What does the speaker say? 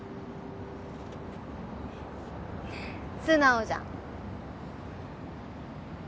素直じゃん。